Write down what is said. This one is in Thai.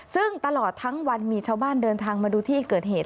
ซึ่งตลอดทั้งวันมีชาวบ้านเดินทางมาดูที่เกิดเหตุ